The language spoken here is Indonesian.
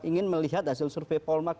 ingin melihat hasil survei paul mok